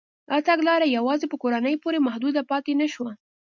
دا تګلاره یوازې په کورنیو پورې محدوده پاتې نه شوه.